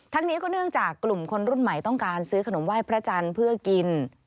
นี้ก็เนื่องจากกลุ่มคนรุ่นใหม่ต้องการซื้อขนมไหว้พระจันทร์เพื่อกิน